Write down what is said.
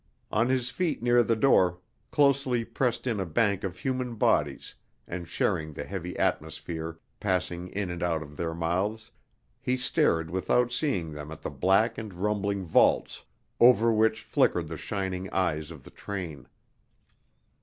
On his feet near the door, closely pressed in a bank of human bodies and sharing the heavy atmosphere passing in and out of their mouths, he stared without seeing them at the black and rumbling vaults over which flickered the shining eyes of the train.